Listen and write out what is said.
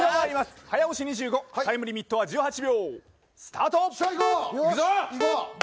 早押し２５タイムリミットは１８秒。